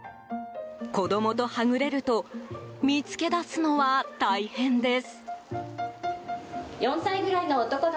子供とはぐれると見つけ出すのは大変です。